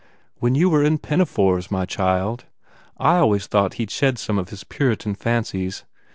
"When you were in pinafores, my child! I always thought he d shed some of his Puritan fancies.